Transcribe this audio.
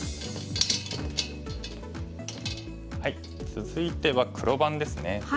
続いては黒番ですね。